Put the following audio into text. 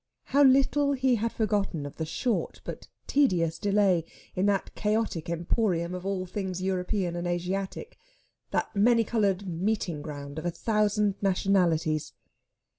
How little he had forgotten of the short but tedious delay in that chaotic emporium of all things European and Asiatic, that many coloured meeting ground of a thousand nationalities!